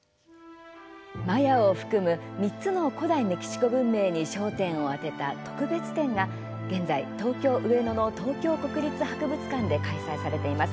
マヤを含む、３つの古代メキシコ文明に焦点を当てた特別展が現在東京・上野の東京国立博物館で開催されています。